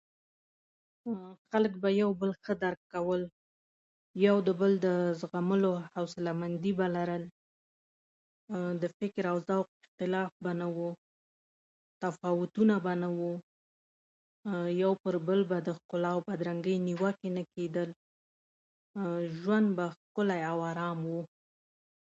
خلک به یو بل ښه درک کول، یو د بل د زغملو حوصله به یې لرل، د فکر او ذوق اختلاف به نه و، تفاوتونه به نه وو، یو پر بل به د ښکلا او بدرنګۍ نیوکې نه کېدلې، ژوند به ښکلی او ارام و.